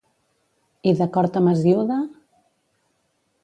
I d'acord amb Hesíode?